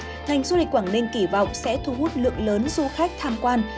ngành du lịch quảng ninh kỳ vọng sẽ thu hút lượng lớn du khách tham quan